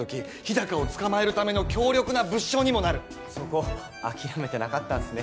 高を捕まえるための強力な物証にもなるそこ諦めてなかったんすね